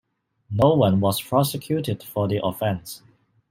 No one was prosecuted for the offence.